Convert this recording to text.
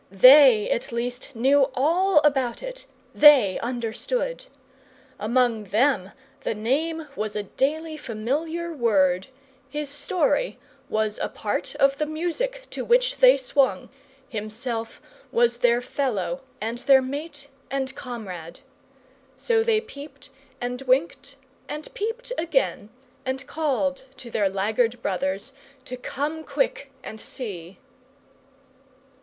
THEY at least knew all about it, THEY understood. Among THEM the Name was a daily familiar word; his story was a part of the music to which they swung, himself was their fellow and their mate and comrade. So they peeped, and winked, and peeped again, and called to their laggard brothers to come quick and see.